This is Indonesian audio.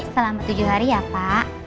selama tujuh hari ya pak